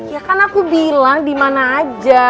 ya kan aku bilang dimana aja